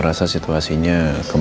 makasih kan bagus